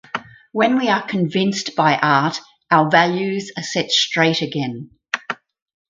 When we are convinced by Art our values are set straight again.